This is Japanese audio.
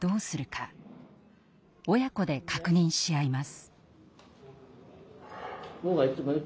親子で確認し合います。